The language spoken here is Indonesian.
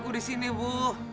aku di sini bu